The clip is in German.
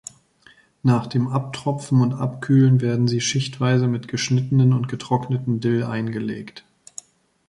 Nach dem Abtropfen und Abkühlen werden sie schichtweise mit geschnittenen und getrockneten Dill eingelegt.